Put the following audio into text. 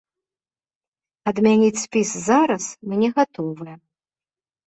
Адмяніць спіс зараз мы не гатовыя.